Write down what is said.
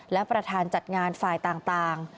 และประธานจัดงานฝ่ายต่าง